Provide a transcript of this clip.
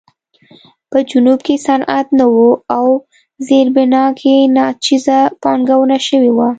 په جنوب کې صنعت نه و او زیربنا کې ناچیزه پانګونه شوې وه.